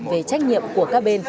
về trách nhiệm của các bên